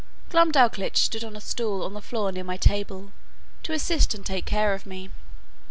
Glumdalclitch stood on a stool on the floor near my table, to assist and take care of me.